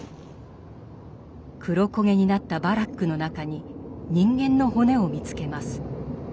黒焦げになったバラックの中に人間の骨を見つけます。